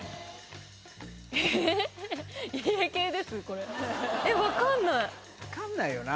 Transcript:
え⁉分かんないよな